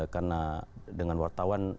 karena dengan wartawan